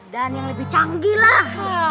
dan yang lebih canggih lah